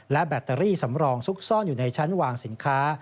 และแบตเตอรี่สำรองซุกซ่อนอยู่ในชั้นวางสินค้า